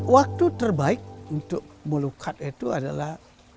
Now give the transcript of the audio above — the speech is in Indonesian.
waktu terbaik untuk melukat itu adalah